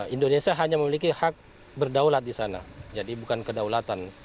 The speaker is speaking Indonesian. indonesia hanya memiliki hak berdaulat di sana jadi bukan kedaulatan